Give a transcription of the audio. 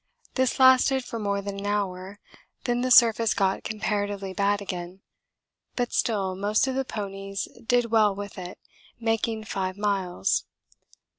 This lasted for more than an hour, then the surface got comparatively bad again but still most of the ponies did well with it, making 5 miles.